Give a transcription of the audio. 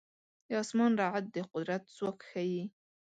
د اسمان رعد د قدرت ځواک ښيي.